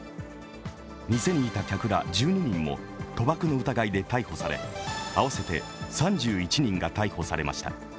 店にいた客ら１２人も賭博の疑いで逮捕され、合わせて３１人が逮捕されました。